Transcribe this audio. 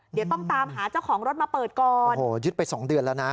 เดี๋ยวต้องตามหาเจ้าของรถมาเปิดก่อนโอ้โหยึดไปสองเดือนแล้วนะ